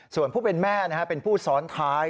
ส่วนผู้เป็นแม่เป็นผู้ซ้อนท้าย